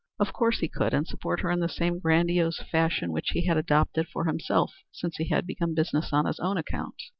Of course he could; and support her in the same grandiose fashion which he had adopted for himself since he had begun business on his own account.